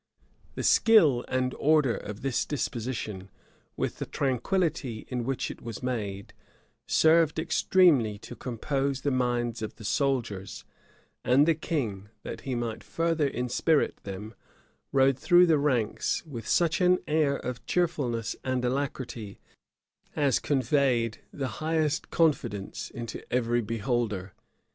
[*]* Froissard, liv. i. chap. 128. The skill and order of this disposition, with the tranquillity in which it was made, served extremely to compose the minds of the soldiers; and the king, that he might further inspirit them, rode through the ranks with such an air of cheerfulness and alacrity, as conveyed the highest confidence into every beholder.